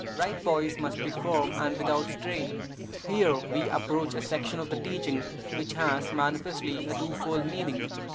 Right poise must be firm and without strain. Here we approach a section of the teaching which has manifestly a two fold meaning.